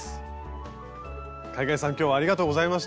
海外さん今日はありがとうございました。